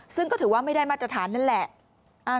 ซึ่งก็ถือว่าไม่ได้มาตรฐานนั่นแหละ